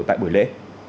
tại buổi lễ